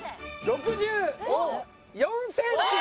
６４センチ。